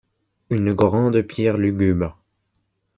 Une grande pierre lugubre